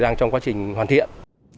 đang trong quá trình hoàn thiện